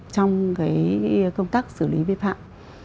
trong cái công tác xử lý vi phạm